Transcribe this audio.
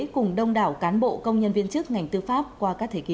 cùng đông đảo cán bộ công nhân viên chức ngành tư pháp qua các thời kỳ